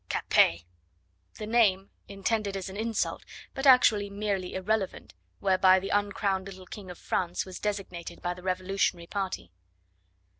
"Capet!" the name intended as an insult, but actually merely irrelevant whereby the uncrowned little King of France was designated by the revolutionary party.